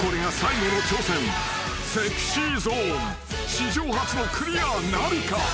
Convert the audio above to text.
史上初のクリアなるか？］